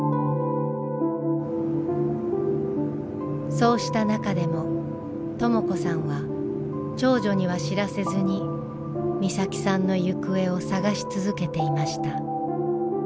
そうした中でもとも子さんは長女には知らせずに美咲さんの行方を捜し続けていました。